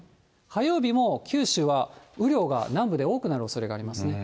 火曜日も九州は雨量が南部で多くなるおそれがありますね。